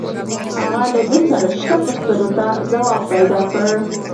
هغه له ده سره شته پوښتنو ته ځواب پیدا کړ